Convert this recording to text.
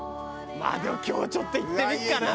まあでも今日ちょっといってみっかな？